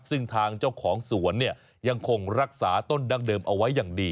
ซึ่งทางเจ้าของสวนเนี่ยยังคงรักษาต้นดั้งเดิมเอาไว้อย่างดี